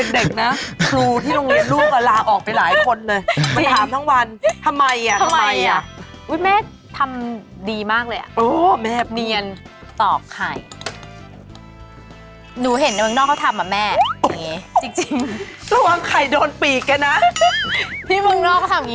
เด็กนะครูที่โรงเรียนลูกอะลาออกไปหลายคนเลย